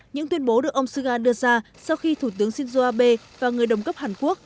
những tuyên bố được ông suga đưa ra sau khi thủ tướng shinzo abe và người đồng cấp hàn quốc